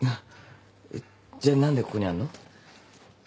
じゃ何でここにあんの？